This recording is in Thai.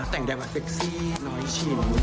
แต่งได้แบบเซ็กซี่น้อยชิน